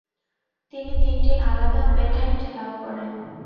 তিনি তিনটি আলাদা পেটেন্ট লাভ করেন।